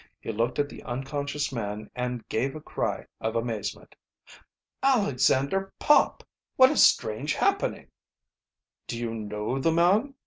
He looked at the unconscious man and gave a cry of amazement. "Alexander Pop! What a strange happening!" "Do you know the man?"